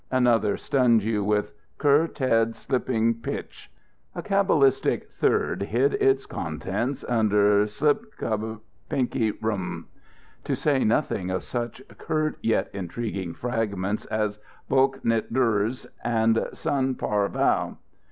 Another stunned you with "Cur Ted Slpg Pch." A cabalistic third hid its contents under "Slp Cov Pinky Rm." To say nothing of such curt yet intriguing fragments as "Blk Nt Drs" and "Sun Par Val."